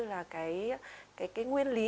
là cái nguyên lý